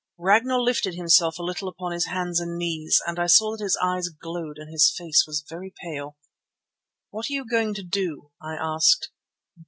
Ragnall lifted himself a little upon his hands and knees, and I saw that his eyes glowed and his face was very pale. "What are you going to do?" I asked.